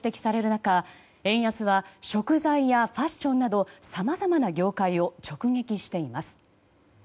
中円安は食材やファッションなどさまざまな業界を直撃しています。